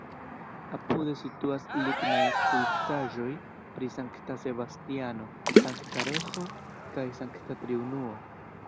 Apude situas lignaj skulptaĵoj pri Sankta Sebastiano, Sankta Roĥo kaj Sankta Triunuo.